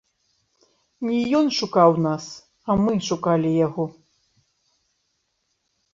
Не ён шукаў нас, а мы шукалі яго.